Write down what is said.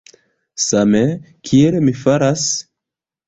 Same kiel mi faras?